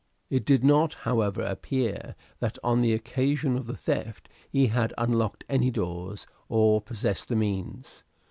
It did not, however, appear that on the occasion of the theft he had unlocked any doors, or possessed the means.